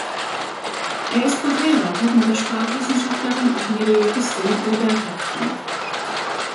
Er ist verheiratet mit der Sprachwissenschaftlerin und Mediävistin Roberta Frank.